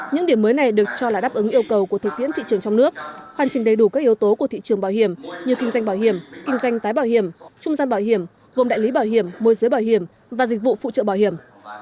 những điểm mới này được cho là đáp ứng yêu cầu của thực tiễn thị trường trong nước hoàn chỉnh đầy đủ các yếu tố của thị trường bảo hiểm như kinh doanh bảo hiểm kinh doanh tái bảo hiểm trung gian bảo hiểm gồm đại lý bảo hiểm môi giới bảo hiểm và dịch vụ phụ trợ bảo hiểm